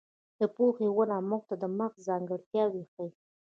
د پوهې ونه موږ ته د مغزو ځانګړتیاوې ښيي.